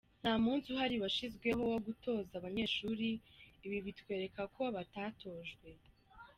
Nta munsi uhari washyizweho wo gutoza abanyeshuri, ibi bitwereka ko batatojwe.